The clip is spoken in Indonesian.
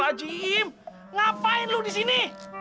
astaghfirullahaladzim ngapain lu disini